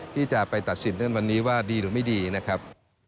ที่จะไปตัดสินนั้นวันนี้ว่าดีหรือไม่ดีนะครับ